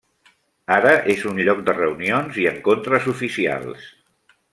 Ara és un lloc de reunions i encontres oficials.